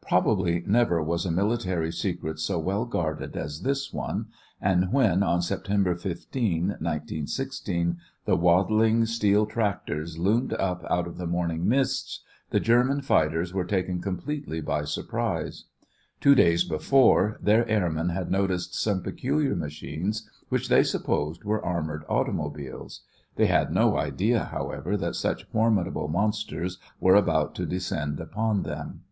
Probably never was a military secret so well guarded as this one, and when, on September 15, 1916, the waddling steel tractors loomed up out of the morning mists, the German fighters were taken completely by surprise. Two days before, their airmen had noticed some peculiar machines which they supposed were armored automobiles. They had no idea, however, that such formidable monsters were about to descend upon them.